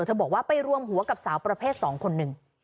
บอกว่าไปรวมหัวกับสาวประเภท๒คนหนึ่ง